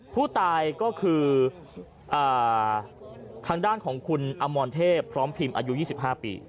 ผู้ตายก็คือทางด้านของคุณอมรเทพพร้อมพิมพ์อายุ๒๕ปี